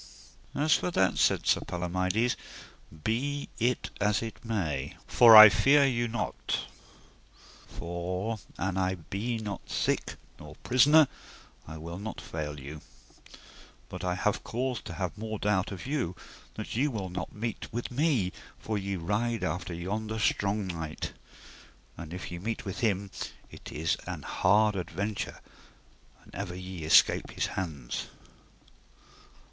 As for that, said Sir Palomides, be it as it be may, for I fear you not, for an I be not sick nor prisoner, I will not fail you; but I have cause to have more doubt of you that ye will not meet with me, for ye ride after yonder strong knight. And if ye meet with him it is an hard adventure an ever ye escape his hands.